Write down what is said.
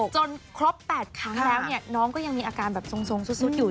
จนครบ๘ครั้งแล้วน้องก็ยังมีอาการแบบทรงสุดอยู่